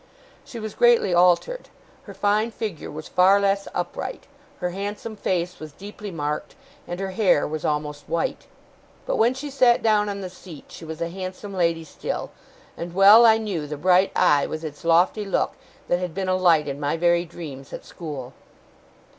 She was greatly altered. Her fine figure was far less upright, her handsome face was deeply marked, and her hair was almost white. But when she sat down on the seat, she was a handsome lady still; and well I knew the bright eye with its lofty look, that had been a light in my very dreams at school.